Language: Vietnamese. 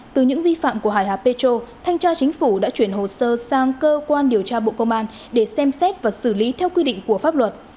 từ những vi phạm của hải hà petro thanh tra chính phủ đã chuyển hồ sơ sang cơ quan điều tra bộ công an để xem xét và xử lý theo quy định của pháp luật